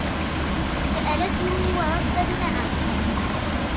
سألَتْهُ وردّ بِنعم.